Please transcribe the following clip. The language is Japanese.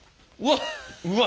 うわ！